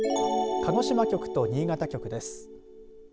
鹿児島局と新潟局です。